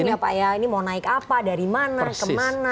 bingung ya pak ya mau naik apa dari mana kemana